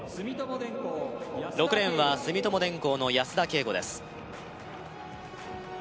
６レーンは住友電工の安田圭吾です